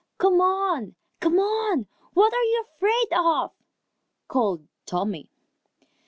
"Come on! Come on! What are you afraid of?" called Tommy.